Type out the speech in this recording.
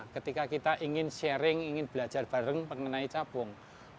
ketika kita ingin sharing ingin belajar bareng mengenai capung